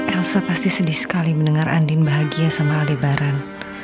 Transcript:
elsa pasti sedih sekali mendengar andin bahagia sama aldebaran